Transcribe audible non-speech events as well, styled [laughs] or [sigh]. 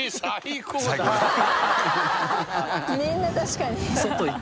みんな確かに [laughs]